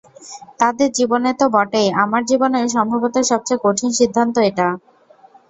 তাঁদের জীবনে তো বটেই আমার জীবনেও সম্ভবত সবচেয়ে কঠিন সিদ্ধান্ত এটা।